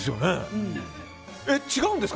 えっ、違うんですか？